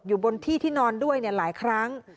อยู่บนที่ที่นอนด้วยหลายครั้ง